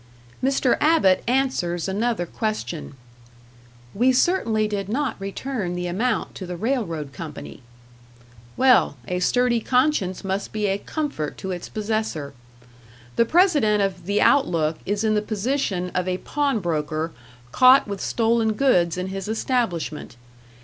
Mr. Abbott answers another question: "We certainly did not return the amount to the railroad company." Well, a sturdy conscience must be a comfort to its possessor. The President of the "Outlook" is in the position of a pawnbroker caught with stolen goods in his establishment.